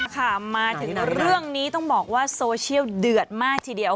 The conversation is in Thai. ค่ะมาถึงเรื่องนี้ต้องบอกว่าโซเชียลเดือดมากทีเดียว